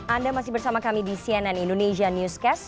anda masih bersama kami di cnn indonesia newscast